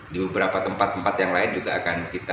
di beberapa tempat tempat yang lain juga akan kita